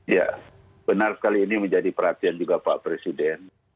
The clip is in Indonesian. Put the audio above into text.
ya benar sekali ini menjadi perhatian juga pak presiden